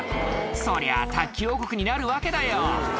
そりゃ卓球王国になるわけだよ